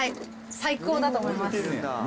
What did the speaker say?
最高だと思います。ね。